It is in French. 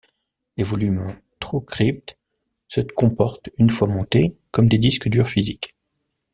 Les volumes TrueCrypt se comportent, une fois montés, comme des disques durs physiques.